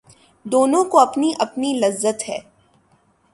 دونوں کی اپنی اپنی لذت ہے